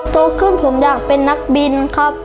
โตขึ้นผมอยากเป็นนักบินครับ